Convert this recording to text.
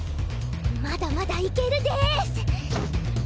まだまだいけるデース！